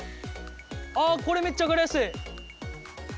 あこれめっちゃ分かりやすい。